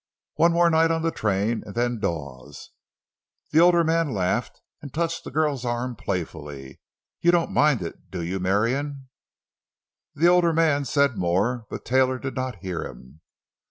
One more night on the train—and then Dawes." The older man laughed, and touched the girl's arm playfully. "You don't mind it, do you, Marion?" The older man said more, but Taylor did not hear him.